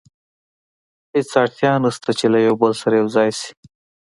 هېڅ اړتیا نه شته چې له یو بل سره یو ځای شي.